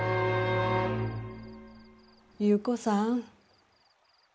優子さん。